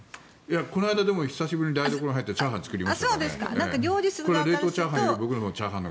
この間久しぶりに台所に入ってチャーハン作りました。